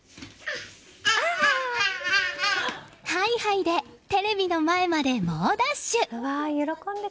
ハイハイでテレビの前まで猛ダッシュ！